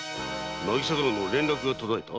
渚からの連絡が途絶えた？